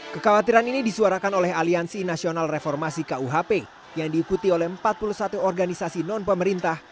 kekhawatiran ini disuarakan oleh aliansi nasional reformasi kuhp yang diikuti oleh empat puluh satu organisasi non pemerintah